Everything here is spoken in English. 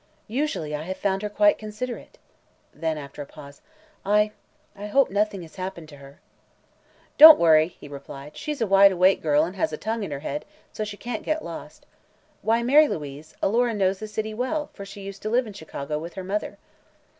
"Usually I have found her quite considerate." Then, after a pause: "I I hope nothing has happened to her." "Don't worry," he replied. "She's a wide awake girl and has a tongue in her head, so she can't get lost. Why, Mary Louise, Alora knows the city well, for she used to live in Chicago with her mother."